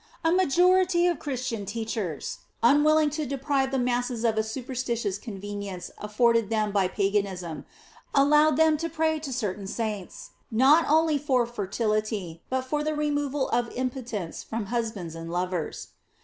A majority of Christian teachers, unwilling to deprive the masses of a superstitious convenience afforded them by paganism, allowed them to pray to certain saints not only for fertility, but for the removal of impotence from husbands and lovers.